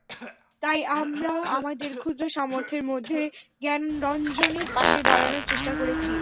তাই আমরা আমাদের ক্ষুদ্র সামর্থ্যের মধ্যে জ্ঞানরঞ্জনের পাশে দাঁড়ানো চেষ্টা করেছি।